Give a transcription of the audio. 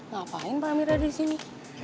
masih sih pak hamir ada disini